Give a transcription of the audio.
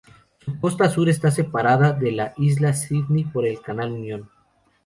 Su costa sur está separada de la isla Sidney por el canal Unión.